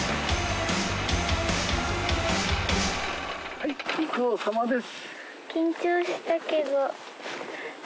はいご苦労さまです